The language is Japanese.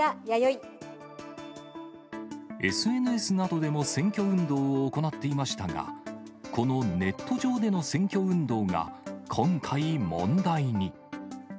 ＳＮＳなどでも選挙運動を行っていましたが、このネット上での選挙運動が今回、問題に。